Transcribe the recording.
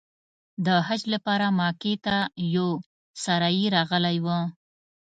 د حج لپاره مکې ته یو سارایي راغلی و.